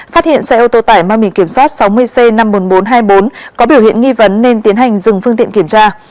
phát hiện xe ô tô tải mang mình kiểm soát sáu mươi c năm mươi một nghìn bốn trăm hai mươi bốn có biểu hiện nghi vấn nên tiến hành dừng phương tiện kiểm tra